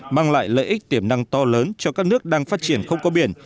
mang lại lợi ích tiềm năng to lớn cho các nước đang phát triển không có biển